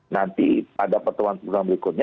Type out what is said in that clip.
nanti pada pertemuan pertemuan berikutnya